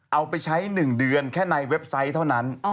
เอาไปใช้๑เดือนแค่ในเว็บไซต์เท่านั้น